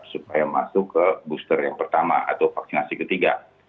supaya masuk ke booster yang pertama atau vaksinasi ketiga